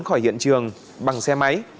khỏi hiện trường bằng xe máy